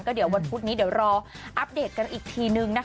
เดี๋ยววันพุธนี้เดี๋ยวรออัปเดตกันอีกทีนึงนะคะ